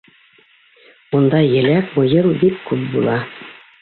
Унда еләк, муйыл бик күп була.